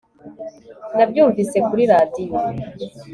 Nabyumvise kuri radio